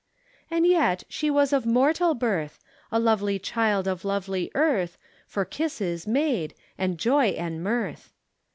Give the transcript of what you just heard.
And yet she was of mortal birth, A lovely child of lovely earth, For kisses made and joy and mirth.